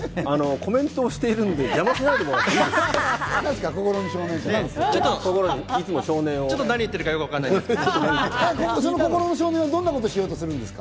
コメントしてるんで、邪魔しないでもらっていいですか？